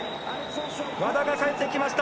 和田が帰ってきました！